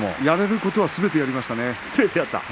やれることはすべてやりましたね。